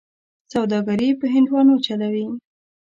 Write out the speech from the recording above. سوداګري په هندوانو چلوي.